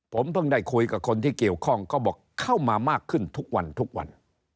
ผมเพิ่งได้คุยกับคนที่เกี่ยวข้องก็บอกเข้ามามากขึ้นทุกวันทุกวัน